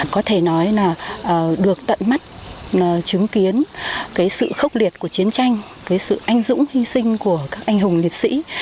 có thể nói là được tận mắt chứng kiến cái sự khốc liệt của chiến tranh cái sự anh dũng hy sinh của các anh hùng liệt sĩ